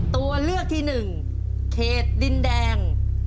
ตัวเลือกที่หนึ่งเขตดินแดง